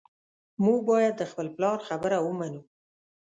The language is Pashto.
موږ باید د خپل پلار خبره ومنو